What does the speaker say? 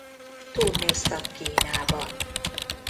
Turnéztak Kínában.